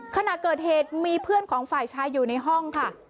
ขณะเกิดเหตุมีเพื่อนของฝ่ายชายอยู่ในห้องค่ะ